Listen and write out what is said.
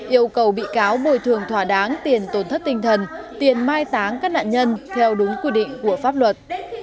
yêu cầu bị cáo bồi thường thỏa đáng tiền tổn thất tinh thần tiền mai táng các nạn nhân theo đúng quy định của pháp luật